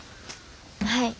はい。